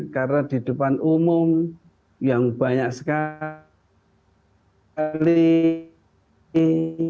karena di depan umum yang banyak sekali